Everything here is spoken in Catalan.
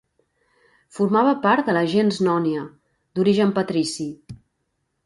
Formava part de la gens Nònia, d'origen patrici.